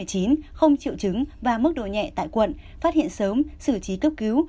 không triệu chứng và mức độ nhẹ tại quận phát hiện sớm sử trí cấp cứu